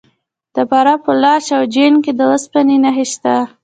د فراه په لاش او جوین کې د وسپنې نښې شته.